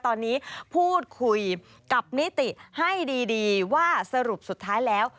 ตอนนี้พูดคุยกับนิติให้ดีว่าสรุปสุดท้ายแล้ว